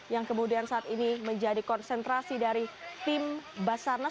yang kemudian saat ini menjadi konsentrasi dari tim basarnas